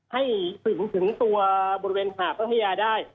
ให้ถึงตัวบริเวณหาดพัทยาได้